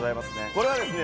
これはですね